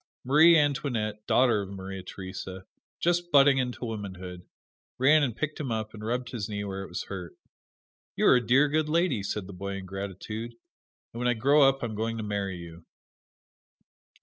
Marie Antoinette, daughter of Maria Theresa, just budding into womanhood, ran and picked him up and rubbed his knee where it was hurt. "You are a dear, good lady," said the boy in gratitude, "and when I grow up I am going to marry you."